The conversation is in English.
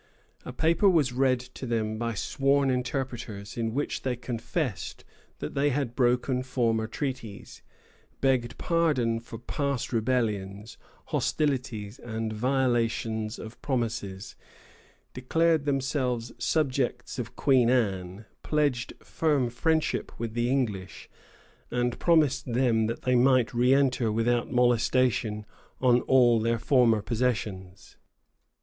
A paper was read to them by sworn interpreters, in which they confessed that they had broken former treaties, begged pardon for "past rebellions, hostilities, and violations of promises," declared themselves subjects of Queen Anne, pledged firm friendship with the English, and promised them that they might re enter without molestation on all their former possessions.